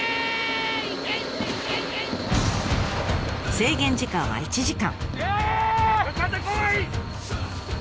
制限時間は１時間。